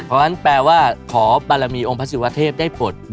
เพราะฉะนั้นแปลว่าขอบารมีองค์พระศิวเทพได้ปลด